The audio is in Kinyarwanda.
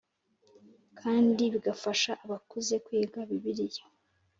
kandi bigafasha abakuze kwiga bibiliya